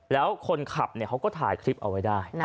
แล้วคนขับเขาก็ถ่ายคลิปเอาไว้ได้